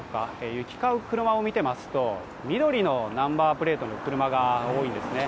行き交う車を見ていますと緑のナンバープレートの車が多いんですね。